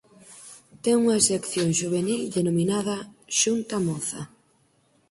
Ten unha sección xuvenil denominada "Xunta Moza".